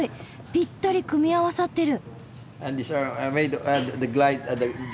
ぴったり組み合わさってる。